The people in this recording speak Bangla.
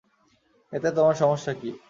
এতে তোমার সমস্যা কি?